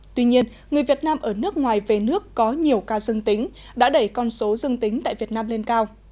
tuy nhiên người việt nam ở nước ngoài về nước có nhiều ca dương tính đã đẩy con số dân tính tại việt nam lên cao